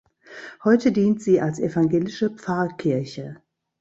Heute dient sie als evangelische Pfarrkirche.